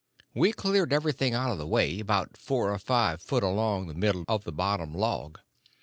We cleared everything out of the way, about four or five foot along the middle of the bottom log.